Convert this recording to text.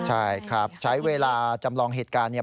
ใช่ครับใช้เวลาจำลองเหตุการณ์เนี่ย